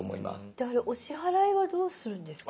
であれお支払いはどうするんですか？